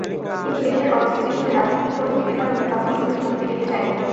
কিন্তু দেশের অস্থিতিশীল রাজনৈতিক পরিস্থিতির কারণে তখন ছবিটি মুক্তি দিতে চাইনি।